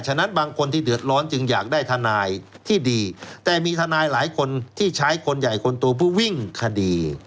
ฉะนั้นบางคนที่เดือดร้อนจึงอยากได้ทนายที่ดีแต่มีทนายหลายคนที่ใช้คนใหญ่คนโตเพื่อวิ่งคดี